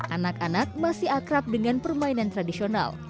anak anak masih akrab dengan permainan tradisional